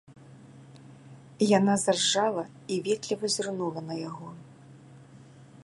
Яна заржала і ветліва зірнула на яго.